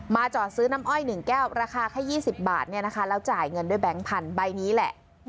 จอดซื้อน้ำอ้อย๑แก้วราคาแค่๒๐บาทแล้วจ่ายเงินด้วยแบงค์พันธุ์ใบนี้แหละ